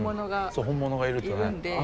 そう本物がいるとね。